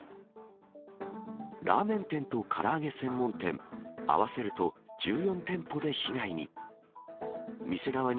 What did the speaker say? ラーメン店とから揚げ専門店、合わせると１４店舗で被害に。